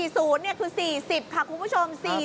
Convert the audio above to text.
๔สูตรเนี่ยคือ๔๐ค่ะคุณผู้ชม